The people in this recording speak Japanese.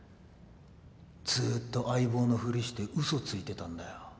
ずっと相棒のふりしてうそついてたんだよ